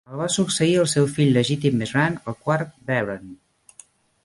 El va succeir el seu fill legítim més gran, el quart Baron.